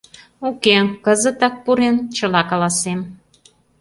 Уке, кызытак пурен, чыла каласем.